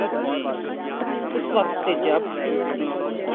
اس وقت سے جب